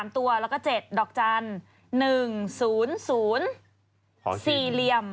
๓ตัวแล้วก็๗ดอกจันทร์๑๐๐๔เหลี่ยม